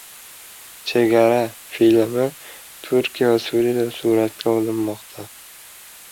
“Chegara” filmi Turkiya va Suriyada suratga olinmoqda